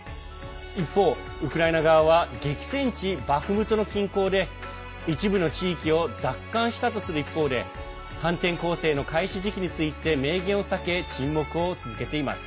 一方、ウクライナ側は激戦地バフムトの近郊で一部の地域を奪還したとする一方で反転攻勢の開始時期について明言を避け、沈黙を続けています。